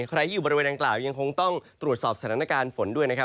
ใครอยู่บริเวณดังกล่าวยังคงต้องตรวจสอบสถานการณ์ฝนด้วยนะครับ